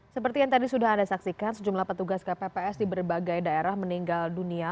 seperti yang tadi sudah anda saksikan sejumlah petugas kpps di berbagai daerah meninggal dunia